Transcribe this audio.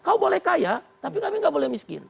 kau boleh kaya tapi kami nggak boleh miskin